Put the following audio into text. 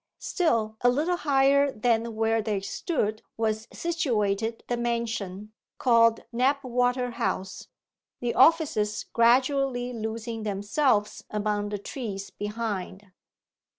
Still a little higher than where they stood was situated the mansion, called Knapwater House, the offices gradually losing themselves among the trees behind.